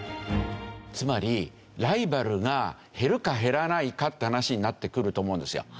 つまりライバルが減るか減らないかって話になってくると思うんですよ。